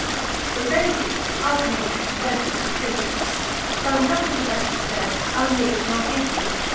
The ladie hearkning to his fenfefull fpeach. Found nothing, that he faid, unmeet nor geaibn.